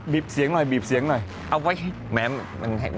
บีบเสียงหน่อยเอาไว้แม่มันได้